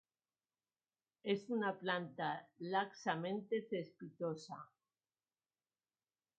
Es una planta laxamente cespitosa.